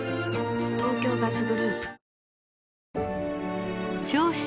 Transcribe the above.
東京ガスグループ長州